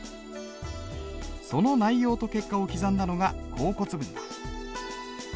その内容と結果を刻んだのが甲骨文だ。